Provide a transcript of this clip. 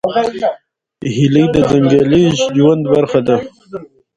هیلۍ د ځنګلي ژوند برخه ده